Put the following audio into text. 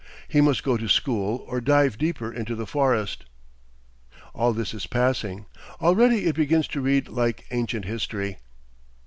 He must go to school or dive deeper into the forest." All this is passing. Already it begins to read like ancient history.